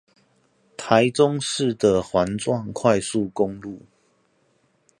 臺中市的環狀快速公路